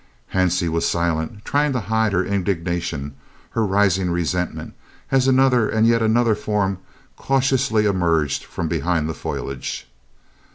Hansie was silent, trying to hide her indignation, her rising resentment, as another and yet another form cautiously emerged from behind the foliage.